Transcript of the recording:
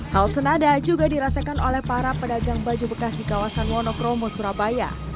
hal senada juga dirasakan oleh para pedagang baju bekas di kawasan wonokromo surabaya